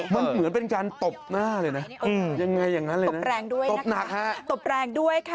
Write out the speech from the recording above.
มันเหมือนเป็นการตบหน้าเลยยังไงอย่างนั้นเลยตบแรงด้วย